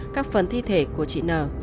các phần thi thể của chị n